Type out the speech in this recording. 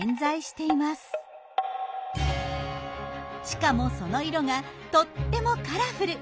しかもその色がとってもカラフル。